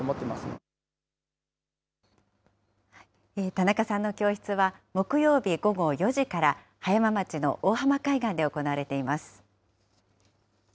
田中さんの教室は、木曜日午後４時から、葉山町の大浜海岸で行われています。